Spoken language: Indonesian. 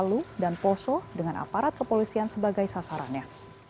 palu dan poso dengan aparat kepolisian sebagai sasarannya